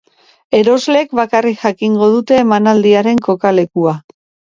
Erosleek bakarrik jakingo dute emanaldiaren kokalekua.